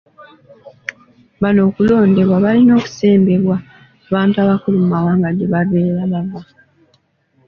Bano okulondebwa balina okusembebwa abantu abakulu mu mawanga gye babeera bava.